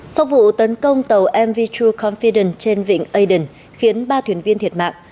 sau vụ tấn công tàu mv true confiden trên vịnh aden khiến ba thuyền viên thiệt mạng